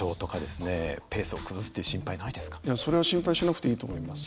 それは心配しなくていいと思います。